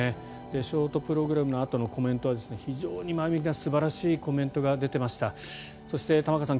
ショートプログラムのあとのコメントは非常に前向きな素晴らしいコメントが出ていました。